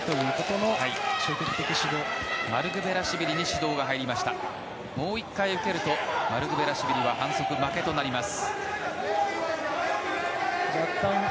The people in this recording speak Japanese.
もう１回受けるとマルクベラシュビリは反則負けです。